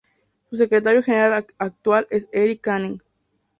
Su secretario general actual es Eric Canning.